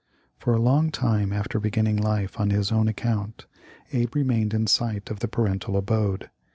For a long time after beginning life on his own account Abe remained in sight of the parental abode.